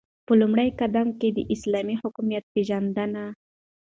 په لومړی قدم كې داسلامي حكومت پيژندنه